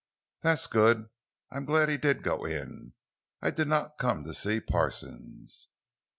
"That's good. I'm glad he did go in; I did not come to see Parsons."